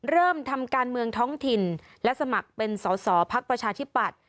เริ่มทำการเมืองท้องถิ่นและสมัครเป็นสาวภักษ์ประชาญภาษฐ์